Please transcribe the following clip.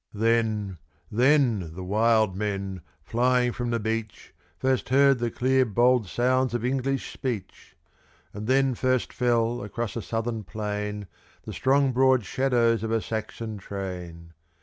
*7* Then, then, the wild men, flying from the beach, First heard the clear, bold sounds of English speech; And then first fell across a Southern plain The broad, strong shadows of a Saxon train.